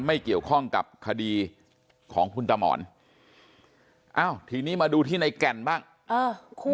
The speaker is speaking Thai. ไม่เกี่ยวข้องกับคดีของคุณตามอนเอ้าทีนี้มาดูที่ในแก่นบ้าง